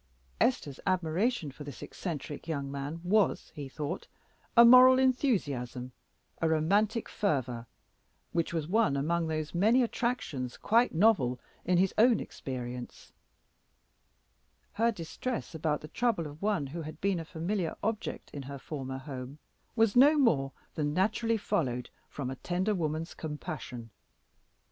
Esther's admiration for this eccentric young man was, he thought, a moral enthusiasm, a romantic fervor, which was one among those many attractions quite novel in his own experience; her distress about the trouble of one who had been a familiar object in her former home, was no more than naturally followed from a tender woman's compassion.